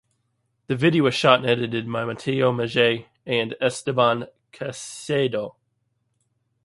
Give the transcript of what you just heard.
The video was shot and edited by Mateo Mejia and Esteban Caicedo.